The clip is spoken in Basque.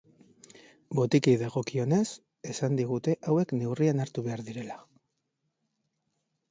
Botikei dagokionez, esan digute hauek neurrian hartu behar direla.